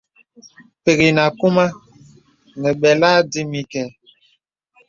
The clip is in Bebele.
Pə̀k enə akūmà nə bəlà dimi kɛ.